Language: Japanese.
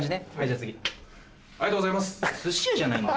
ありがとうございます！